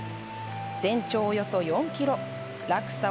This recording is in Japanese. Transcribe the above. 全長およそ４キロ落差